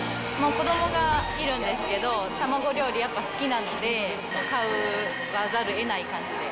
子どもがいるんですけど、卵料理、やっぱ好きなので、買わざるを得ない感じで。